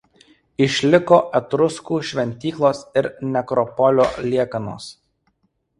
Išliko etruskų šventyklos ir nekropolio liekanos.